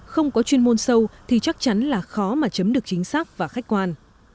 không có chuyên môn sâu thì chắc chắn là khó mà chấm được chính xác và khách quan